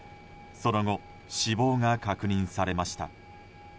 その後、死亡が確認されました。